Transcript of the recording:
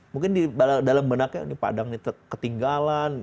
mungkin di dalam benaknya di padang ini ketinggalan